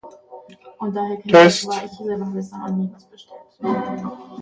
The Bulgarians have a similar mode of guarding their cattle against wild beasts.